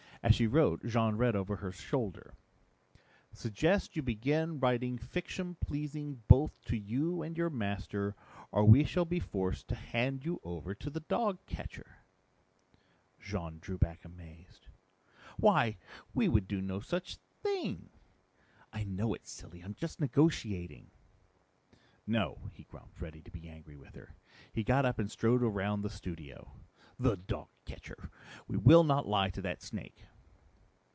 As she wrote, Jean read over her shoulder, "'Suggest you begin writing fiction pleasing both to you and your master, or we shall be forced to hand you over to the dog catcher!'" Jean drew back amazed. "Why, we would do no such thing!" "I know it, silly. I'm just negotiating." "No," he grumped, ready to be angry with her. He got up and strode around the studio. "The dog catcher! We will not lie to that snake!"